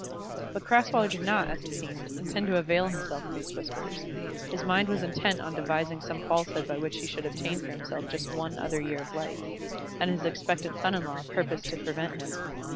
But Crasweller did not, as it seemed, intend to avail himself of these whispers. His mind was intent on devising some falsehood by which he should obtain for himself just one other year of life, and his expectant son in law purposed to prevent him.